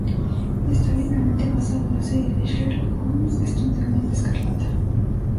Está libremente basado en la serie de Sherlock Holmes "Estudio en escarlata".